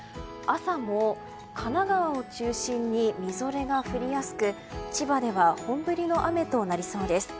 朝も神奈川を中心にみぞれが降りやすく千葉では本降りの雨となりそうです。